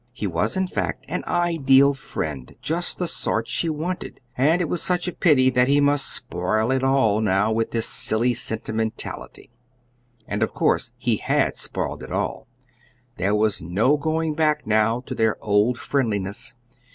He was, in fact, an ideal friend, just the sort she wanted; and it was such a pity that he must spoil it all now with this silly sentimentality! And of course he had spoiled it all. There was no going back now to their old friendliness.